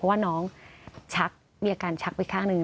ว่าน้องชักมีอาการชักไปข้างหนึ่ง